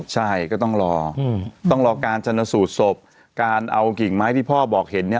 ใช่ก็ต้องรอต้องรอการชนสูตรศพการเอากิ่งไม้ที่พ่อบอกเห็นเนี่ย